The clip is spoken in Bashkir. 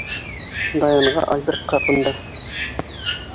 Даянға Альберт хаҡында...